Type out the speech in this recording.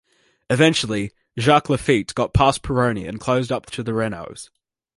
Eventually, Jacques Laffite got past Pironi and closed up to the Renaults.